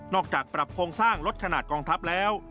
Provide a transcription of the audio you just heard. จากปรับโครงสร้างลดขนาดกองทัพแล้ว